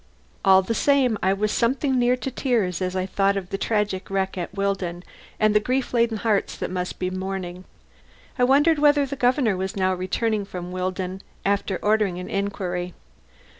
All the same I was something near to tears as I thought of the tragic wreck at Willdon and the grief laden hearts that must be mourning. I wondered whether the Governor was now returning from Willdon after ordering an inquiry.